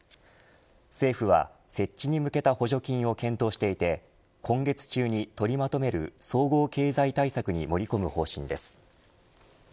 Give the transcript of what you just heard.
政府は設置に向けた補助金を検討していて今月中に取りまとめる総合経済対策に盛り込む方針です。